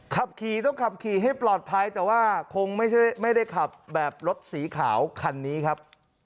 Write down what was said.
ขับขี่ต้องขับขี่ให้ปลอดภัยแต่ว่าคงไม่ได้ขับแบบรถสีขาวคันนี้ครับ